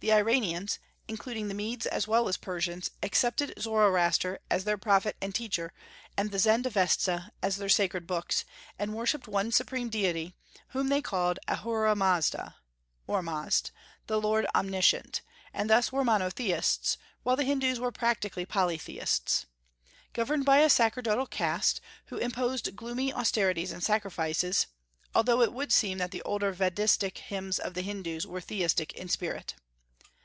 The Iranians, including the Medes as well as Persians, accepted Zoroaster as their prophet and teacher, and the Zend Avesta as their sacred books, and worshipped one Supreme Deity, whom they called Ahura Mazda (Ormazd), the Lord Omniscient, and thus were monotheists; while the Hindus were practically poly theists, governed by a sacerdotal caste, who imposed gloomy austerities and sacrifices, although it would seem that the older Vedistic hymns of the Hindus were theistic in spirit.